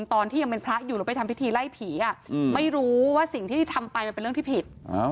ตอนที่ยังเป็นพระอยู่แล้วไปทำพิธีไล่ผีไม่รู้ว่าสิ่งที่ทำไปมันเป็นเรื่องที่ผิด